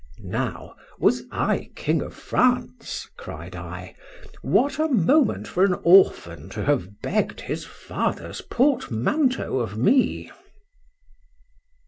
— —Now, was I King of France, cried I—what a moment for an orphan to have begg'd his father's portmanteau of me!